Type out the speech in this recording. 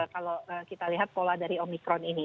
kalau kita lihat pola dari omikron ini